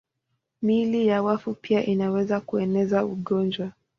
Miili ya wafu pia inaweza kueneza ugonjwa.